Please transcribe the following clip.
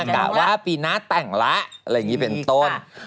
กะว่าปีหน้าแต่งแล้วอะไรอย่างนี้เป็นต้น